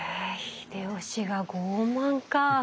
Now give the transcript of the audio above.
秀吉が傲慢かあ。